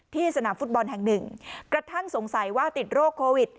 สนามฟุตบอลแห่งหนึ่งกระทั่งสงสัยว่าติดโรคโควิด